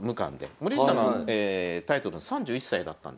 森内さんはタイトル３１歳だったんですよ。